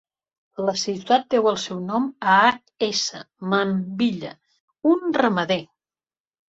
La ciutat deu el seu nom a H. S. Manville, un ramader.